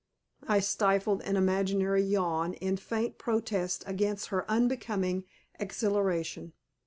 I stifled an imaginary yawn in faint protest against her unbecoming exhilaration.